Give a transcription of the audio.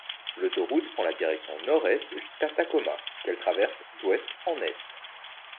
L'autoroute prend la direction nord-est jusqu'à Tacoma qu'elle traverse d'ouest en est.